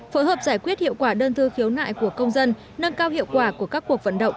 phối hợp giải quyết hiệu quả đơn thư khiếu nại của công dân nâng cao hiệu quả của các cuộc vận động